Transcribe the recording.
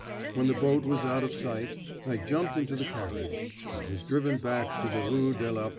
When the boat was out of sight, I jumped into the carriage, and was driven back to the Rue de la Paix.